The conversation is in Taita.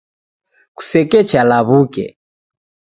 Kusekecha lawuke